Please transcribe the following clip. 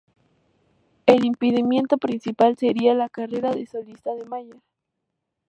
El impedimento principal sería la carrera de solista de Mayer.